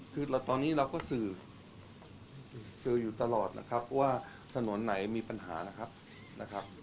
คือตอนนี้เราก็สื่อสื่ออยู่ตลอดนะครับว่าถนนไหนมีปัญหานะครับนะครับ